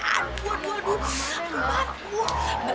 aduh aduh aduh